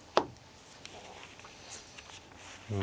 うん。